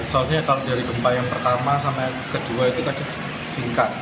soalnya kalau dari gempa yang pertama sampai kedua itu tadi singkat